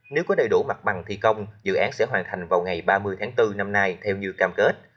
nếu có đầy đủ mặt bằng thi công dự án sẽ hoàn thành vào ngày ba mươi tháng bốn năm nay theo như cam kết